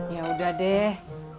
ya udah deh